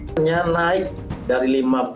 pesannya naik dari lima belas